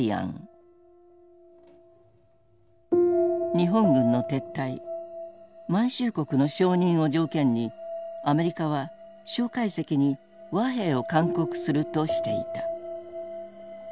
日本軍の撤退満州国の承認を条件にアメリカは蒋介石に和平を勧告するとしていた。